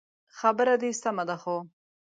خبره دي سمه ده خو